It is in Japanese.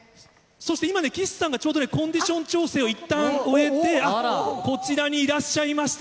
そして今ね、岸さんがちょうどコンディション調整をいったん終えて、こちらにいらっしゃいました。